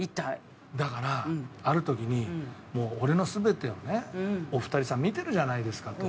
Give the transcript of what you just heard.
だからある時に「もう俺の全てをねお二人さん見てるじゃないですか」と。